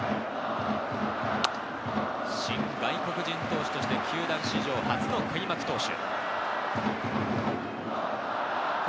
新外国人投手として球団史上初の開幕投手。